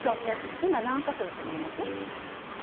今何カ所だと思います？